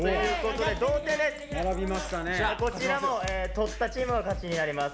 こちらもとったチームが勝ちになります。